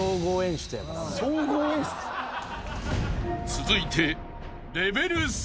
［続いて］